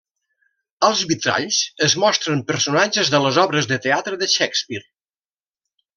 Als vitralls es mostren personatges de les obres de teatre de Shakespeare.